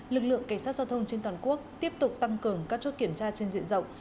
lực lượng cảnh sát giao thông trên toàn quốc tiếp tục tăng cường các chốt kiểm tra trên diện rộng